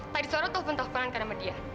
tadi suara telpon telponkan dengan dia